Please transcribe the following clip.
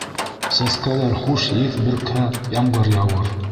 Сәскәләр хуш еҫ бөркһә, ямғыр яуыр.